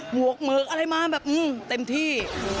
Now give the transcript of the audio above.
หวกเหมือกอะไรมาแบบเต็มที่